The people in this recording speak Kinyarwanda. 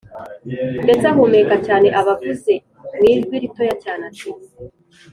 ndetse ahumeka cyane, aba avuze mwijwi ritoya cyane ati: